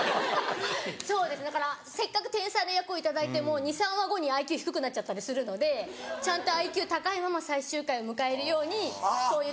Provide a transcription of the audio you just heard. そうですだからせっかく天才の役を頂いても２３話後にＩＱ低くなっちゃったりするのでちゃんとＩＱ高いまま最終回を迎えるようにそういう天才の。